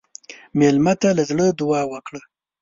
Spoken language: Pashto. مېلمه ته له زړه دعا وکړه.